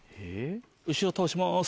後ろ倒します。